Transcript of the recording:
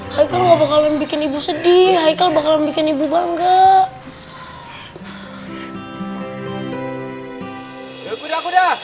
haikal gak bakalan bikin ibu sedih